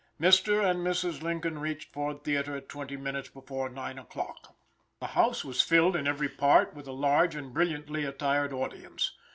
Mr. and Mrs. Lincoln reached Ford's Theater at twenty minutes before 9 o'clock. The house was filled in every part with a large and brilliantly attired audience.